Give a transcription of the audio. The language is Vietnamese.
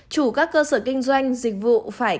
chủ các cơ sở kinh doanh dịch vụ phải